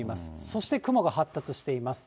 そして雲が発達しています。